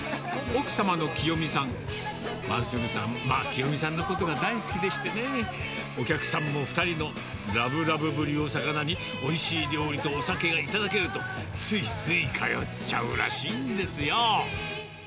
奥様のきよみさん、マンスールさん、きよみさんのことが大好きでしてね、お客さんも２人のラブラブぶりをさかなに、おいしい料理とお酒が頂けると、ついつい通っちゃうらしいんですよ。